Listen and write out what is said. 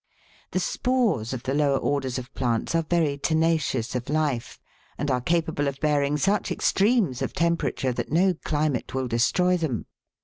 The spores of the lower orders of plants are very tena cious of life, and are capable of bearing such extremes of temperature that no climate will destroy them.